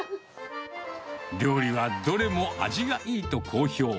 料理はどれも味がいいと好評。